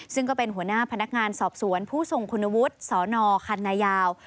ซึ่งก็เป็นหัวหน้าพนักงานสอบสวนผู้ทรงคุณวุฒิสนคันนายาว